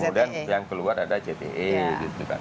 ya kemudian yang keluar ada jte gitu kan